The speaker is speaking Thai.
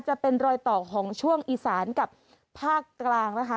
จะเป็นรอยต่อของช่วงอีสานกับภาคกลางนะคะ